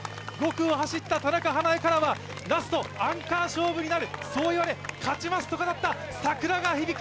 ５区を走った田中華絵からはラスト、アンカー勝負になる、そう言われ、勝ちますと語った櫻川響晶。